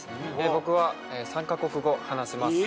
僕は３カ国語話せます